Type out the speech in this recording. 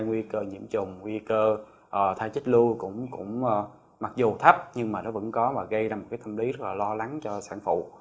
nguy cơ nhiễm trùng nguy cơ thai chích lưu cũng mặc dù thấp nhưng mà nó vẫn có mà gây ra một cái thâm lý rất là lo lắng cho sản phụ